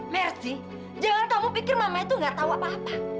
mersi jangan kamu pikir mama itu gak tahu apa apa